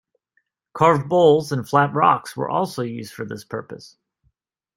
Carved bowls and flat rocks were also used for this purpose.